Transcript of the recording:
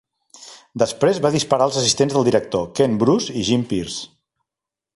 Després va disparar els assistents del director, Ken Bruce i Jim Pierce.